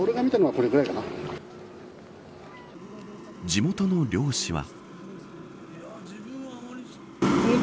地元の漁師は。